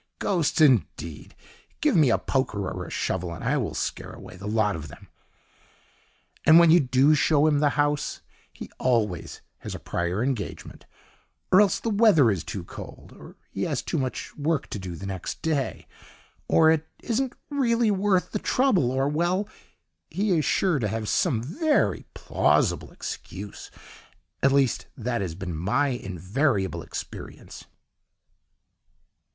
Ghosts indeed! Give me a poker or a shovel and I will scare away the lot of them." And when you do show him the house he always has a prior engagement, or else the weather is too cold, or he has too much work to do next day, or it isn't really worth the trouble, or well! he is sure to have some very plausible excuse; at least, that has been my invariable experience.